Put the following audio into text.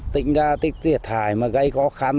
tính ra thiệt hại gây khó khăn